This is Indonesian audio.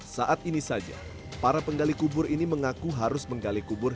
saat ini saja para penggali kubur ini mengaku harus menggali kubur